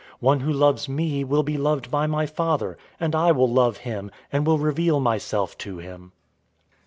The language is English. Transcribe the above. One who loves me will be loved by my Father, and I will love him, and will reveal myself to him."